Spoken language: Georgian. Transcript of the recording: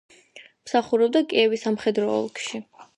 მსახურობდა კიევის სამხედრო ოლქში.